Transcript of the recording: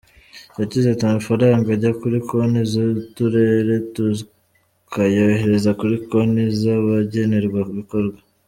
Yagize ati “Amafaranga ajya kuri konti z’Uturere tukayohereza kuri konti z’abagenerwa bikorwa.